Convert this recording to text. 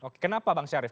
kenapa bang syarif